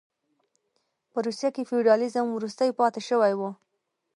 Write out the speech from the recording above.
په روسیه کې فیوډالېزم وروستۍ پاتې شوې وې.